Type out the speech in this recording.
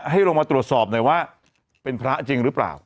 ให้ลงมาตรวจสอบหน่อยว่าเป็นพระจริงหรือเปล่า